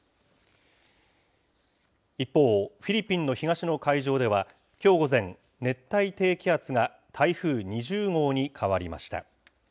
一方、フィリピンの東の海上では、きょう午前、熱帯低気圧が台風２０号に変わりました。